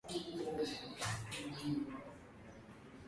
wakati kikitumia sensa ya aina fulani ikiwa na gharama ya dola mia hamsini